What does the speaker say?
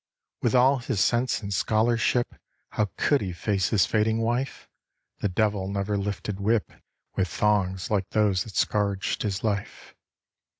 With all his sense and scholarship, How could he face his fading wife? The devil never lifted whip With thongs like those that scourged his life.